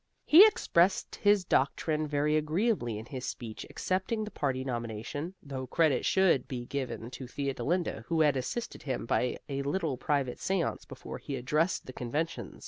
He expressed his doctrine very agreeably in his speech accepting the party nomination; though credit should be given to Theodolinda, who had assisted him by a little private seance before he addressed the convention.